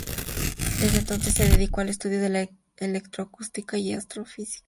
Desde entonces se dedicó al estudio de la electroacústica y astrofísica.